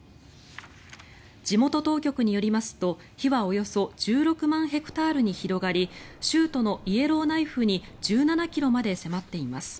地元当局によりますと、火はおよそ１６万ヘクタールに広がり州都のイエローナイフに１７ｋｍまで迫っています。